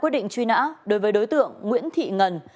đối với đối tượng nguyễn thị ngần